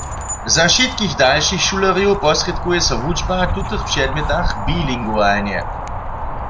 Za wšitkich dalšich šulerjow posrědkuje so wučba w tutych předmjetach bilingualnje.